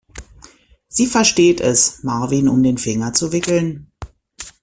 Sie versteht es, Marvin um den Finger zu wickeln.